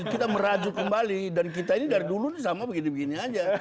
kita merajuk kembali dan kita ini dari dulu sama begini begini saja